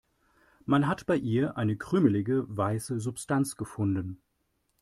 Man hat bei ihr eine krümelige, weiße Substanz gefunden.